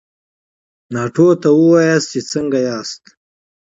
ناټو ته ووایاست چې څنګه ياست؟